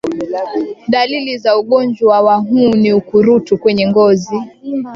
Dalili za ugonjwa wa huu ni ukurutu kwenye ngozi